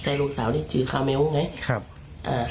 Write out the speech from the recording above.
แต่หลุงสาวนี้ใช้ค่าเมล์ไงครับอ่า